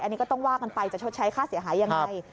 อันนี้ก็ต้องว่ากันไปจะชดใช้ค่าเสียหายยังไง